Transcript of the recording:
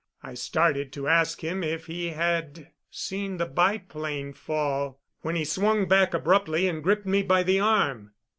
I started to ask him if he had seen the biplane fall, when he swung back abruptly and gripped me by the arm.